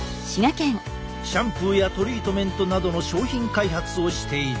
シャンプーやトリートメントなどの商品開発をしている。